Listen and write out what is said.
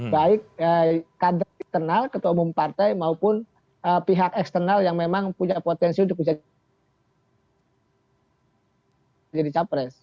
baik kader internal ketua umum partai maupun pihak eksternal yang memang punya potensi untuk bisa jadi capres